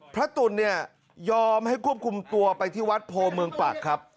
ตุ๋นเนี่ยยอมให้ควบคุมตัวไปที่วัดโพเมืองปรักครับ